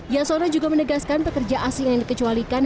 yasona juga menegaskan pekerja asing yang dikecualikan